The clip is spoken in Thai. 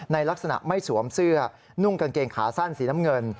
ในลักษณะไม่สวมเสื้อนุ่งกางเกงขาสั้นสีน้ำเงิน